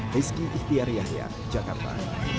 hezki ihtiar yahya jakarta